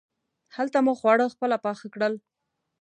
هلته مو خواړه خپله پاخه کړل.